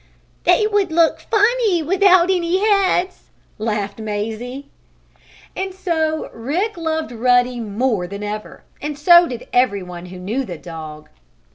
"They would look funny without any heads!" laughed Mazie. And so Rick loved Ruddy more than ever, and so did everyone who knew the dog.